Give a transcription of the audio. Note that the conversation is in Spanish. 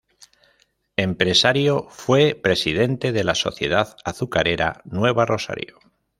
Empresario, fue Presidente de la sociedad azucarera Nueva Rosario.